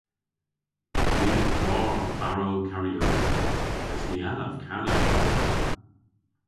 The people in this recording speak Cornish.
My a gar barrow karaoke mes ny allav kana yn ta.